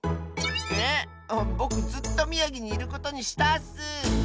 ぼくずっとみやぎにいることにしたッス！